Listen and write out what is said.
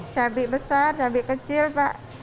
cabai besar cabai kecil pak